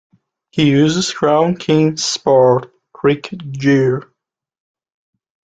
He uses Crown King Sport cricket gear.